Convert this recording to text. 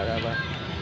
dạ đảm bảo